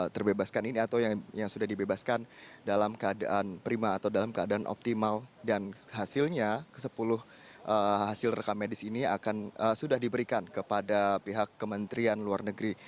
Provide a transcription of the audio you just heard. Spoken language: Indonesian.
terbebaskan ini atau yang sudah dibebaskan dalam keadaan prima atau dalam keadaan optimal dan hasilnya ke sepuluh hasil rekamedis ini akan sudah diberikan kepada pihak kementerian luar negeri